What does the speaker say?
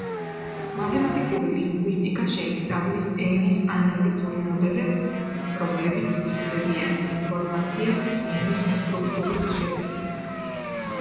მათემატიკური ლინგვისტიკა შეისწავლის ენის ანალიზურ მოდელებს, რომლებიც იძლევიან ინფორმაციას ენის სტრუქტურის შესახებ.